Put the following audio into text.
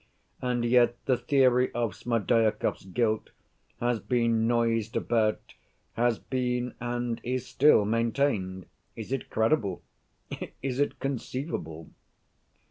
And yet the theory of Smerdyakov's guilt has been noised about, has been and is still maintained. Is it credible? Is it conceivable?"